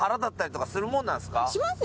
しますよ